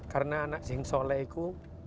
karena anak singsoleku